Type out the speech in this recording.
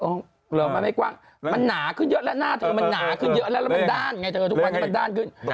มันไม่กว้างมันหนาขึ้นเยอะแล้วหน้าเธอมันหนาขึ้นเยอะแล้วแล้วมันด้านไงเธอทุกวันนี้มันด้านขึ้น